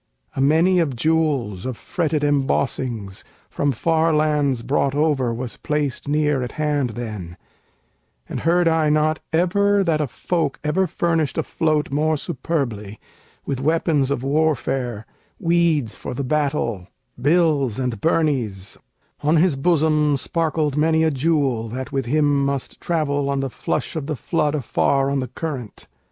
A many of jewels, Of fretted embossings, from far lands brought over, Was placed near at hand then; and heard I not ever That a folk ever furnished a float more superbly With weapons of warfare, weeds for the battle, Bills and burnies; on his bosom sparkled Many a jewel that with him must travel On the flush of the flood afar on the current.